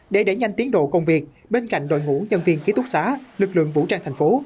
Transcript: để đẩy nhanh tiến độ công việc bên cạnh đội ngũ nhân viên ký túc xá lực lượng vũ trang thành phố